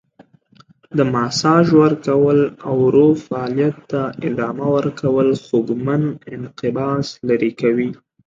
د ماساژ ورکول او ورو فعالیت ته ادامه ورکول خوږمن انقباض لرې کوي.